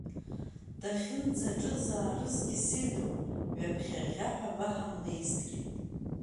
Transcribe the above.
Дахьынӡаҿызаарызгьы сеидру, ҩаԥхьа аӷьӷьаҳәа абаҳа млеизҭгьы.